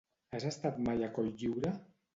Has estat mai a Cotlliure?